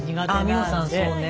美穂さんそうね。